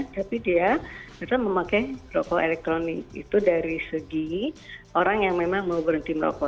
tapi dia tetap memakai rokok elektronik itu dari segi orang yang memang mau berhenti merokok